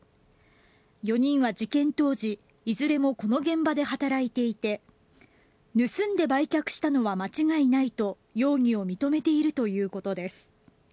４人は事件当時いずれもこの現場で働いていて盗んで売却したのは間違いないと容疑を認めているということです。